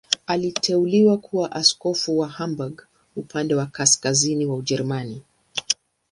Aliteuliwa kuwa askofu wa Hamburg, upande wa kaskazini wa Ujerumani.